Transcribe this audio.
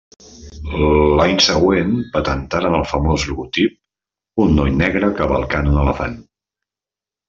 L’any següent patentaren el famós logotip: un noi negre cavalcant un elefant.